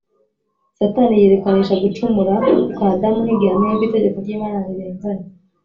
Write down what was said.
Satani yerekanisha gucumura kwa Adamu nk’igihamya yuko itegeko ry’Imana rirenganya